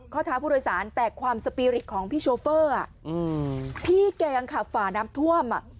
เท้าผู้โดยสารแต่ความสปีริตของพี่โชเฟอร์พี่แกยังขับฝ่าน้ำท่วม